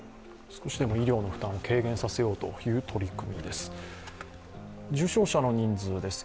少しでも医療の負担を軽減させようという取り組みです。